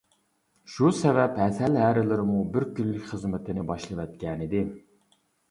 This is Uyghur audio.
شۇ سەۋەب، ھەسەل ھەرىلىرىمۇ بىر كۈنلۈك خىزمىتىنى باشلىۋەتكەنىدى.